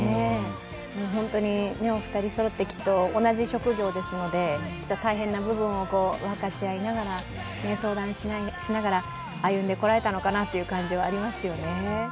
お二人そろって同じ職業ですので、きっと大変な部分を分かち合いながら、相談しながら歩んでこられたのかなという感じはありますよね。